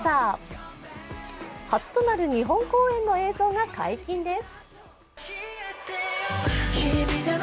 初となる日本公演の映像が解禁です。